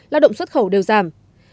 lao động xuất khẩu đều giảm